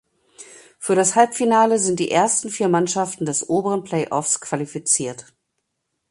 Für das Halbfinale sind die ersten vier Mannschaften des oberen Playoffs qualifiziert.